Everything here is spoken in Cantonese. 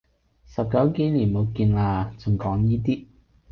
十九幾年冇見啦，仲講依啲